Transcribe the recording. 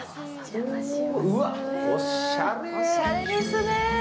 おしゃれですね。